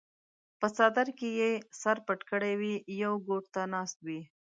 پۀ څادر کښې ئې سر پټ کړے وي يو ګوټ ته ناست وي